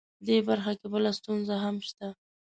دې برخه کې بله ستونزه هم شته